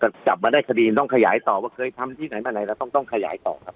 แต่จับมาได้คดีต้องขยายต่อว่าเคยทำที่ไหนมาไหนเราต้องขยายต่อครับ